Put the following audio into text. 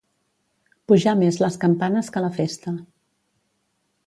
Pujar més les campanes que la festa.